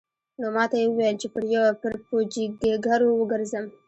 نو ماته يې وويل چې پر پوجيگرو وگرځم.